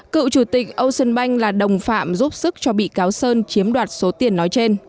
cựu chủ tịch ocean bank là đồng phạm giúp sức cho bị cáo sơn chiếm đoạt số tiền nói trên